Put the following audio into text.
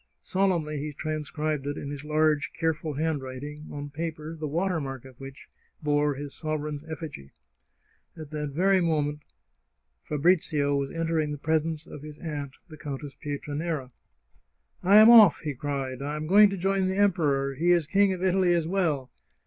Solemnly he transcribed it in his large, care ful handwriting, on paper the watermark of which bore his sovereign's effigy. At that very moment Fabrizio 26 The Chartreuse of Parma was entering the presence of his aunt, the Countess Pie tranera. " I am off !" he cried. " I am going to join the Em peror ! He is King of Italy as well